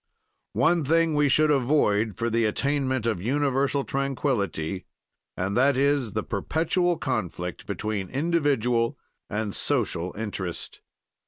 "One thing we should avoid, for the attainment of universal tranquility, and that is the perpetual conflict between individual and social interest.